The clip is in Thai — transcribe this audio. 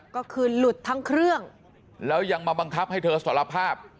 ก็คือหลุดทั้งเครื่องแล้วยังมาบังคับให้เธอสารภาพ